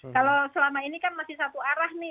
kalau selama ini kan masih satu arah nih